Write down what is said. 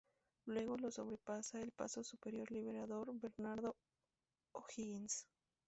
Luego lo sobrepasa el Paso Superior Libertador Bernardo O'Higgins.